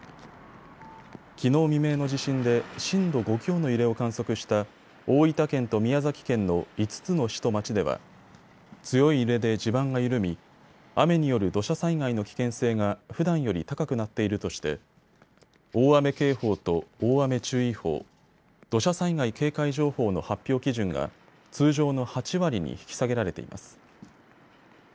きのう未明の地震で震度５強の揺れを観測した大分県と宮崎県の５つの市と町では強い揺れで地盤が緩み雨による土砂災害の危険性がふだんより高くなっているとして大雨警報と大雨注意報、土砂災害警戒情報の発表基準が通常の８割に引き下げられています。